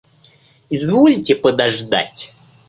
Извольте подождать.